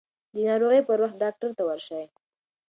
د ناروغۍ پر وخت ډاکټر ته ورشئ.